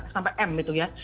sampai m itu ya